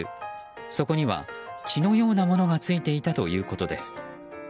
そこには血のようなものがついていたということです。